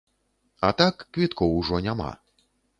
А так, квіткоў ужо няма.